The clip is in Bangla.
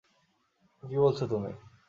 কী বলছ তুমি?